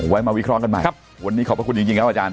ไว้มาวิเคราะห์กันใหม่ครับวันนี้ขอบพระคุณจริงครับอาจารย